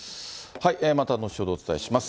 また後ほどお伝えします。